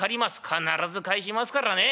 必ず返しますからね。